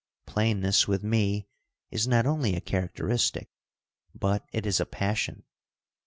Plainess with me is not only a characteristic, but it is a passion.